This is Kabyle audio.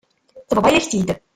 Tebḍa-yak-tt-id.